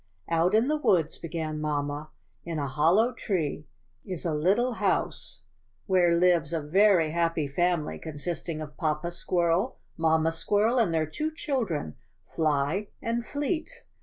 "Out in the woods," began mamma, "in a hollow tree, is a little house where lives a very 64 THE SQUIRRELS* HARVEST. happy family consisting of Papa Squirrel, Mamma Squirrel, and their two children, Fly and Fleet.